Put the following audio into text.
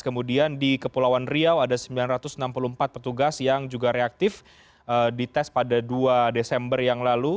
kemudian di kepulauan riau ada sembilan ratus enam puluh empat petugas yang juga reaktif dites pada dua desember yang lalu